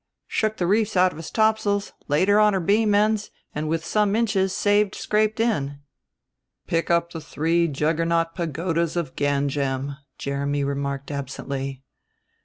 Shook the reefs out of his topsails, laid her on her beam ends, and with some inches saved scraped in." "Pick up the three Juggernaut Pagodas of Ganjam," Jeremy remarked absently.